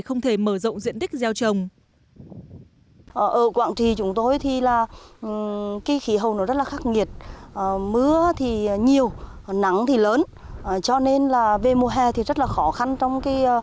không thể mở rộng diện tích gieo trồng